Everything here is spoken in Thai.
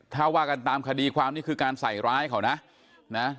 ถ้าว่ากันตามคดีความนี่คือการใส่ร้ายเขานะนะ